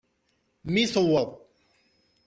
Mi tewweḍ.